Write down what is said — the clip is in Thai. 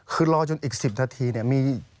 คือรอจนอีก๑๐นาทีเนี่ยมี